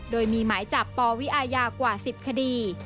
โดยมีหมายจับปวิอาญากว่า๑๐คดี